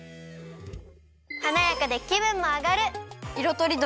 はなやかできぶんもあがる！